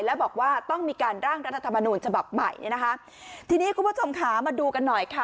แล้วบอกว่าต้องมีการร่างรัฐธรรมนูญฉบับใหม่เนี่ยนะคะทีนี้คุณผู้ชมค่ะมาดูกันหน่อยค่ะ